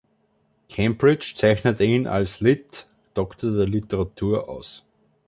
Cambridge zeichnete ihn als Litt. (Doktor der Literatur) aus.